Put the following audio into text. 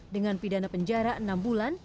dengan pidana penjara enam bulan